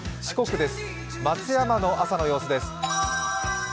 四国です、松山の朝の様子です。